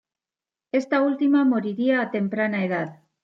Esta última moriría a temprana edad.